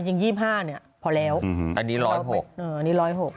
จริง๒๕พอแล้วอันนี้๑๐๖